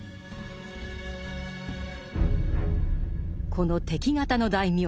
この敵方の大名